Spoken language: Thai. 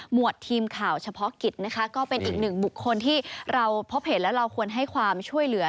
วดทีมข่าวเฉพาะกิจนะคะก็เป็นอีกหนึ่งบุคคลที่เราพบเห็นแล้วเราควรให้ความช่วยเหลือ